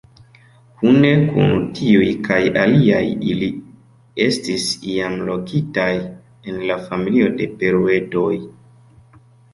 Kune kun tiuj kaj aliaj ili estis iam lokitaj en la familio de Paruedoj.